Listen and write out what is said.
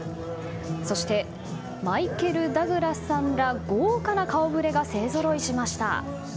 そしてマイケル・ダグラスさんら豪華な顔ぶれが勢ぞろいしました。